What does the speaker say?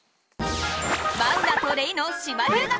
マウナとレイの島留学！